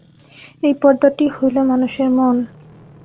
এই পর্দাটি হইল মানুষের মন।